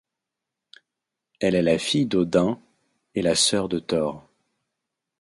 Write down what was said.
Elle est la fille d'Odin et la sœur de Thor.